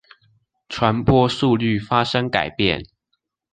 傳播速率發生改變